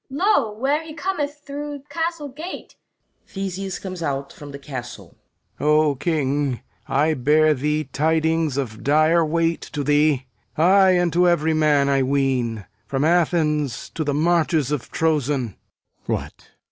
LEADER Lo, where he cometh through the Castle gate! [THESEUS comes out from the Castle.] HENCHMAN O King, I bear thee tidings of dire weight To thee, aye, and to every man, I ween, From Athens to the marches of Trozên. THESEUS What?